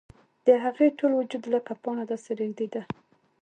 د هغې ټول وجود لکه پاڼه داسې رېږدېده